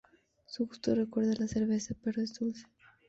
Su gusto recuerda a la cerveza, pero es dulce.